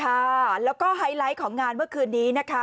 ค่ะแล้วก็ไฮไลท์ของงานเมื่อคืนนี้นะคะ